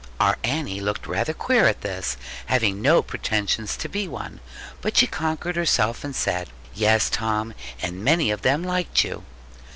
Our Annie looked rather queer at this, having no pretensions to be one: but she conquered herself, and said, 'Yes, Tom; and many of them liked you.'